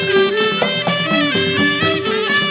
โปรดติดตามต่อไป